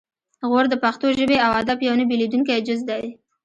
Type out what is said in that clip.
غور د پښتو ژبې او ادب یو نه بیلیدونکی جز دی